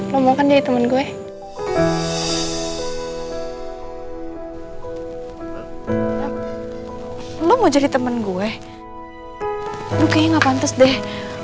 lombok kan jadi temen gue lo mau jadi temen gue lu kayaknya gak pantas deh